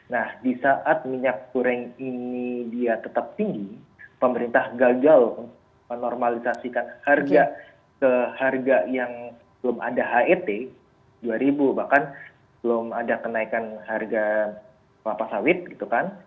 nah di saat minyak goreng ini dia tetap tinggi pemerintah gagal untuk menormalisasikan harga ke harga yang belum ada het dua ribu bahkan belum ada kenaikan harga kelapa sawit gitu kan